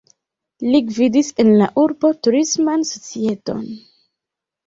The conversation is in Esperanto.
Li gvidis en la urbo turisman societon.